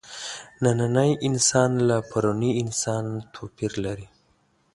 نننی انسان له پروني انسانه توپیر لري.